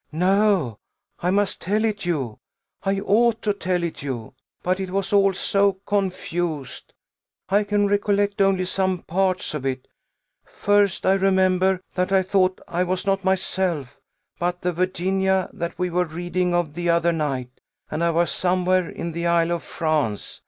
"No; I must tell it you. I ought to tell it you. But it was all so confused, I can recollect only some parts of it. First, I remember that I thought I was not myself, but the Virginia that we were reading of the other night; and I was somewhere in the Isle of France.